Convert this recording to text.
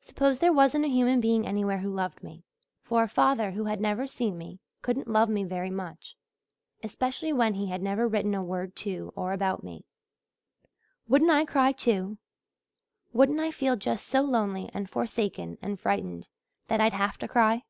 Suppose there wasn't a human being anywhere who loved me for a father who had never seen me couldn't love me very much, especially when he had never written a word to or about me. Wouldn't I cry, too? Wouldn't I feel just so lonely and forsaken and frightened that I'd have to cry?